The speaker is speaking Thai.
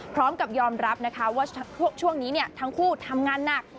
พร้อมกับยอมรับนะคะว่าช่วงนี้ทั้งคู่ทำงานหนัก